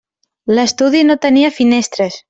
L'estudi no tenia finestres.